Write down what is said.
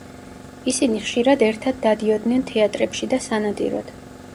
ისინი ხშირად ერთად დადიოდნენ თეატრებში და სანადიროდ.